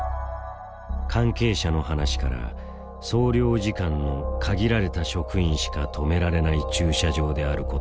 関係者の話から総領事館の限られた職員しか止められない駐車場であることが分かった。